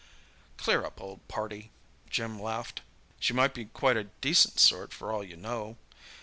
"Cheer up, old party," Jim laughed. "She might be quite a decent sort for all you know.